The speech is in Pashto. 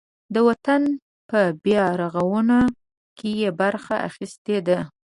د وطن په بیارغاونه کې یې برخه اخیستې ده.